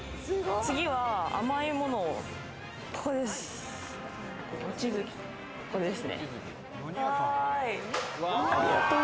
次は甘いものを、ここです。